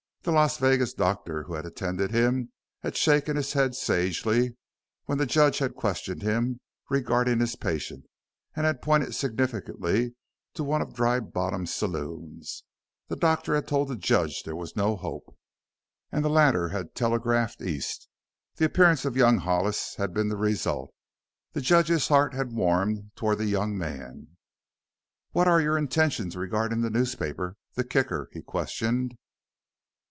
The Las Vegas doctor who had attended him had shaken his head sagely when the judge had questioned him regarding his patient and had pointed significantly to one of Dry Bottom's saloons. The doctor had told the judge there was no hope, and the latter had telegraphed East. The appearance of young Hollis had been the result. The judge's heart had warmed toward the young man. "What are your intentions regarding the newspaper the Kicker?" he questioned.